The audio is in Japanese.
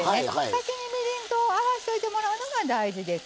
先にみりんと合わしといてもらうのが大事です。